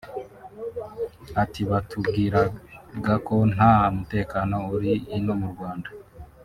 Ati “Batubwiraga ko nta mutekano uri ino mu Rwanda